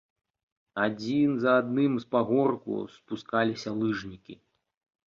Адзін за адным з пагорку спускаліся лыжнікі.